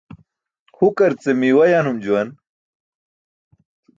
Hukar ce miiwa yanum juwan.